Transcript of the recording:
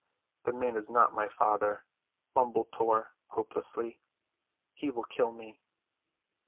"The man is not my father," mumbled Tor hopelessly. "He will kill me."